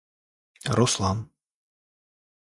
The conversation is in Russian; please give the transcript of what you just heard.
Руслан